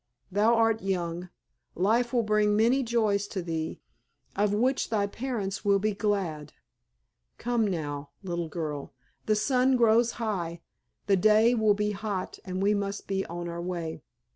Thou art young, life will bring many joys to thee, of which thy parents will be glad. Come now, little girl, the sun grows high, the day will be hot, and we must be on our way."